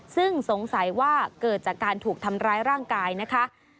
ซึ่งสงสัยว่าเกิดจากการถูกทำร้ายร่างกายนะคะ